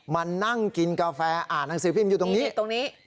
มานั่งกินกาแฟอ่านหนังสือพิมพ์อยู่ตรงนี้ตรงนี้